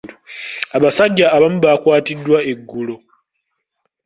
Abasajja abamu baakwatiddwa eggulo.